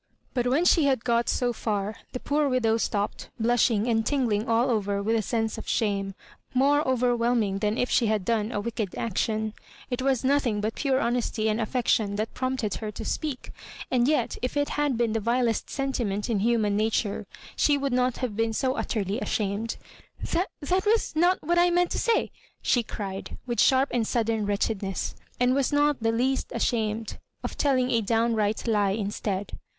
But when sLe had gdt so far, the poor widow stopped, blushing and tingling all over with a sense of shame, more overwhelm ing than if she had done a wicked action, ^t was nothing but pure honesty and affection that prompted her to speak ; and yet, if it had been the vilest sentiment in human nature, she would not have been so utterly ashamed '' That was not what I meant to say I'* she cried, with sharp and sudden wretchedness ; and was not the lenst ashamed of telling a downright lie instead.